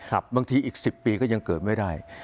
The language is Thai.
บางทีอีก๑๐ปีก็ยังเกิดไม่ได้